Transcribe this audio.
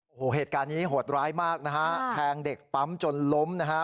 โอ้โหเหตุการณ์นี้โหดร้ายมากนะฮะแทงเด็กปั๊มจนล้มนะฮะ